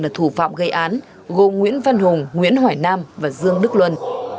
là thủ phạm gây án gồm nguyễn văn hùng nguyễn hỏi nam và dương đức luân